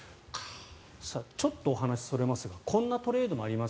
ちょっとお話それますがこんなトレードもあります。